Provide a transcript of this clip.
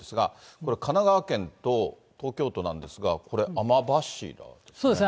これ、神奈川県と東京都なんですが、そうですね。